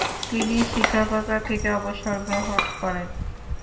তিনি শিক্ষকতা থেকে অবসর গ্রহণ করেন।